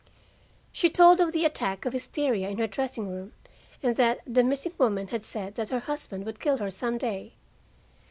She told of the attack of hysteria in her dressing room, and that the missing woman had said that her husband would kill her some day.